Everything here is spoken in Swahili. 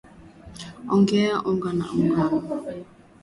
Ongeza unga wa ngano